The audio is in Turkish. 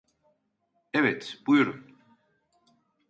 Evet, buyurun.